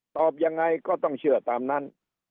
ตอบยังไงก็ต้องเชื่อตามนั้น